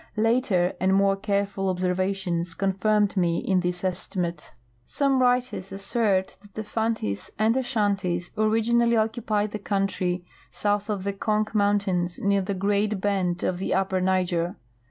Later and more care ful observations confirmed me in this estimate. Some writers assert that the Fantis and Ashantis originally occupied the country south of the Kong mountains, near tlie great bend of the upper Niger.